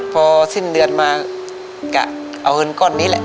พอสิ้นเดือนมากะเอาเงินก้อนนี้แหละ